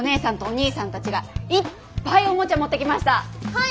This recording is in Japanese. はい。